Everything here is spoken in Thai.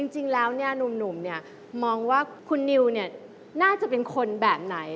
จริงแล้วหนุ่มมองว่าคุณนิวน่าจะเป็นคนแบบไหน